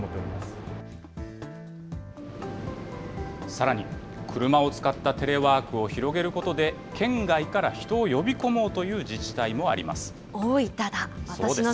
さらに、車を使ったテレワークを広げることで、県外から人を呼び込もうという自治体もあります。